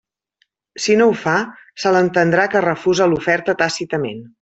Si no ho fa, se l'entendrà que refusa l'oferta tàcitament.